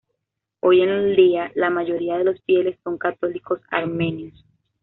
Hoy en día la mayoría de los fieles son católicos armenios.